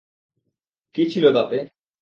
কী ছিল তাতে?